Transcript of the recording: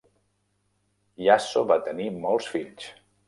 Iaso va tenir molts fills.